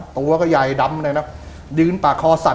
ตัวแกว่อายกำไลดื้นปากคอสั่น